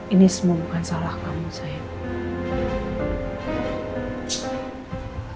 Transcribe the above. ini semua bukan salah kamu saya